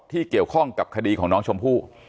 เกี่ยวข้องกับคดีของน้องชมพู่